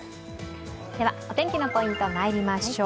お天気のポイント、まいりましょう。